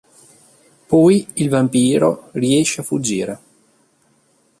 Poi, il vampiro riesce a fuggire.